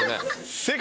正解！